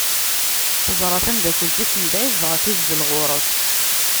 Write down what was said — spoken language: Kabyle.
Teẓra tameddakelt-is mebɛid dɣa tuzzel ɣer-s.